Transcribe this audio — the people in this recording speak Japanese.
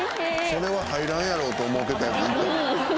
それは入らんやろと思うてた。